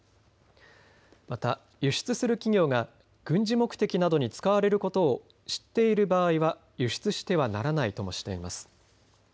また輸出する企業が軍事目的などに使われることを知っている場合は輸出してはならないともしています。